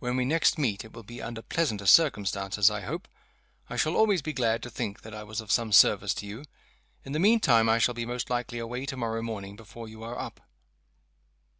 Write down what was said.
When we next meet it will be under pleasanter circumstances, I hope. I shall always be glad to think that I was of some service to you. In the mean time I shall be most likely away to morrow morning before you are up."